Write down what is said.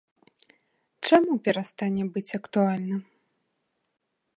Чаму перастане быць актуальным?